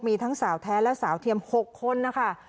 มีทั้งสาวแท้และสาวเทียม๖คนนะคะ